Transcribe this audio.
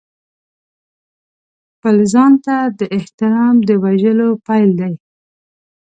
خپل ځان ته د احترام د وژلو پیل دی.